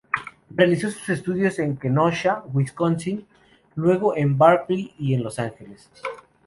Realizó sus estudios en Kenosha, Wisconsin, luego en Berkeley y en Los Ángeles.